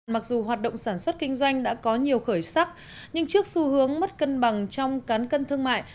mặc dù hoạt động sản xuất kinh doanh đã có nhiều khởi sắc nhưng trước xu hướng mất cân bằng trong cán cân thương mại